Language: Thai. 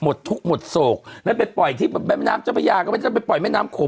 ทุกข์หมดโศกแล้วไปปล่อยที่แม่น้ำเจ้าพระยาก็ไม่ต้องไปปล่อยแม่น้ำโขง